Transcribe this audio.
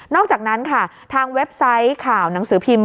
อกจากนั้นค่ะทางเว็บไซต์ข่าวหนังสือพิมพ์